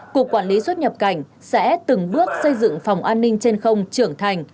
cục quản lý xuất nhập cảnh sẽ từng bước xây dựng phòng an ninh trên không trưởng thành